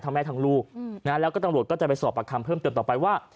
แม่ทั้งลูกนะแล้วก็ตำรวจก็จะไปสอบประคำเพิ่มเติมต่อไปว่า